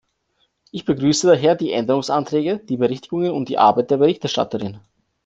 Ich begrüße daher die Änderungsanträge, die Berichtigungen und die Arbeit der Berichterstatterin.